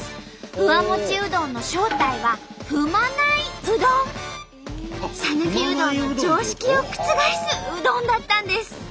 フワモチうどんの正体はさぬきうどんの常識を覆すうどんだったんです。